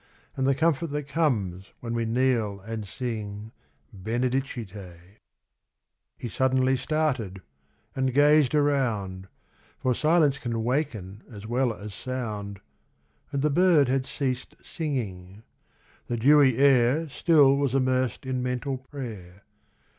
And the comfort that comes when we kneel and sing, Benedicite. XII He suddenly started and gazed around, For silence can waken as well as sound. And the bird had ceased singing. The dewy air Still was immersed in mental prayer.